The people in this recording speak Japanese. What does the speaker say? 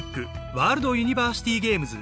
ワールドユニバーシティゲームズ